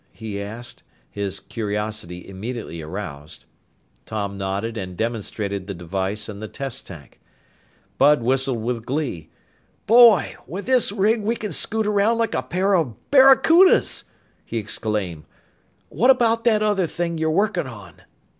he asked, his curiosity immediately aroused. Tom nodded and demonstrated the device in the test tank. Bud whistled with glee. "Boy! With this rig, we can scoot around like a pair of barracudas!" he exclaimed. "What about that other thing you're working on?"